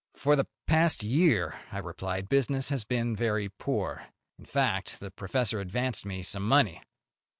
"For the past year," I replied, "business has been very poor. In fact, the professor advanced me some money."